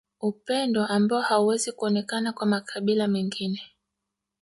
Upendo ambao hauwezi kuonekana kwa makabila mengine